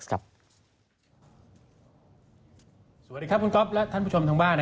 สวัสดีครับคุณก๊อฟและท่านผู้ชมทางบ้าน